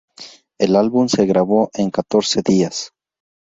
El álbum se grabó en catorce días.